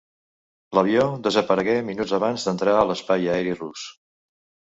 L'avió desaparegué minuts abans d'entrar a l'espai aeri rus.